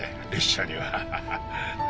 列車には。